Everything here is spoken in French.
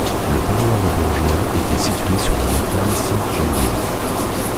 Le parloir aux bourgeois était situé sur la montagne Sainte-Geneviève.